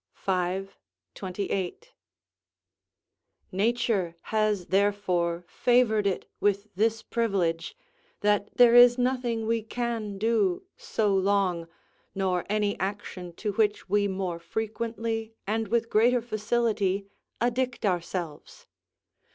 v. 28.] nature has therefore favoured it with this privilege, that there is nothing we can do so long, nor any action to which we more frequently and with greater facility addict ourselves.